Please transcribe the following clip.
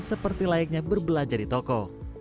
seperti layaknya berbelanja di toko